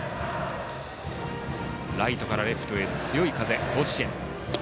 ライトからレフトへの強い風。